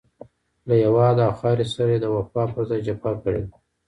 له هېواد او خاورې سره يې د وفا پر ځای جفا کړې ده.